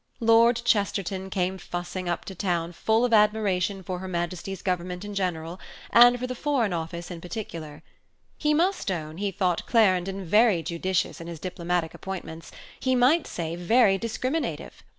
Lord Chesterton came fussing up to town full of admiration for her Majesty's Government in general, and for the Foreign Office in particular; he must own he thought Clarendon very judicious in his diplomatic appointments, he might say very discriminative.